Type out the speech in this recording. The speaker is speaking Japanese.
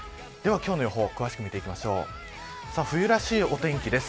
今日の予報詳しく見ていきます。